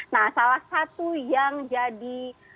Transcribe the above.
nah salah satu yang jadi